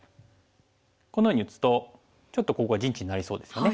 このように打つとちょっとここが陣地になりそうですよね。